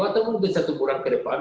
atau mungkin satu bulan ke depan